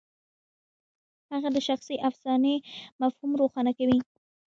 هغه د شخصي افسانې مفهوم روښانه کوي.